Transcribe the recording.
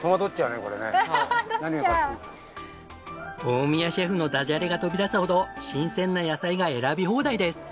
大宮シェフのダジャレが飛び出すほど新鮮な野菜が選び放題です。